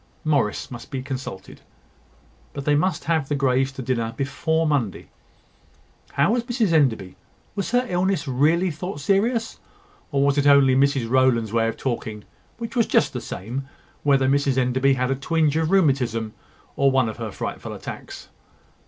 Morris must be consulted; but they must have the Greys to dinner before Monday. How was Mrs Enderby? Was her illness really thought serious, or was it only Mrs Rowland's way of talking, which was just the same, whether Mrs Enderby had a twinge of rheumatism or one of her frightful attacks?